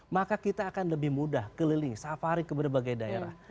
maka kita akan lebih mudah keliling safari ke berbagai daerah